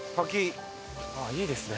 あっいいですね！